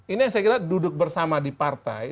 ini yang saya kira duduk bersama di partai